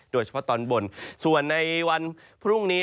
โดยเฉพาะตอนบนส่วนในวันพรุ่งนี้